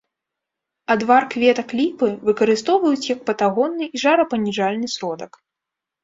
Адвар кветак ліпы выкарыстоўваюць як патагонны і жарапаніжальны сродак.